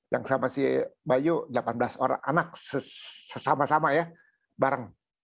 yang sama si bayu delapan belas orang anak sesama sama ya bareng